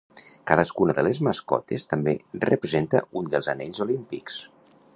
Cadascuna de les mascotes també representa un dels Anells Olímpics.